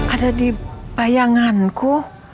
ada di bayanganku